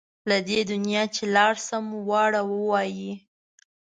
له دې دنیا چې لاړ شم واړه وایي.